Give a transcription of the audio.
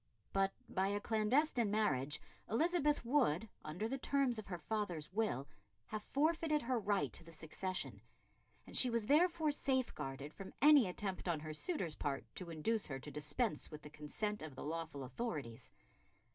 But by a clandestine marriage Elizabeth would, under the terms of her father's will, have forfeited her right to the succession, and she was therefore safeguarded from any attempt on her suitor's part to induce her to dispense with the consent of the lawful authorities.